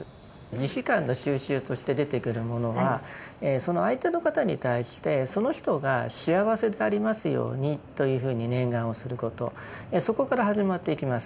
慈悲感の修習として出てくるものはその相手の方に対してその人が幸せでありますようにというふうに念願をすることそこから始まっていきます。